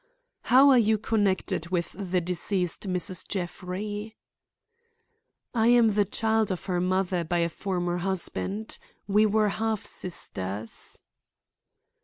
"How are you connected with the deceased Mrs. Jeffrey?" "I am the child of her mother by a former husband. We were half sisters."